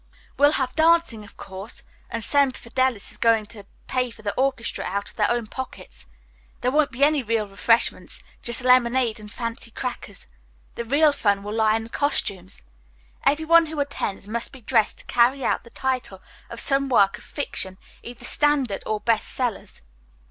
We'll have dancing, of course, and Semper Fidelis is going to pay for the orchestra out of their own pockets. There won't be any real refreshments, just lemonade and fancy crackers. The real fun will lie in the costumes. Every one who attends must be dressed to carry out the title of some work of fiction, either standard or 'best sellers.'"